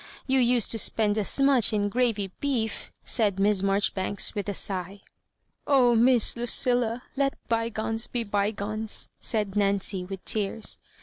You used to spend as much in gravy bee^'* said Miss Marjoribanks with a sigh. " Oh, Miss Lucilla, let bygones be bygones," said Nancy, with tears.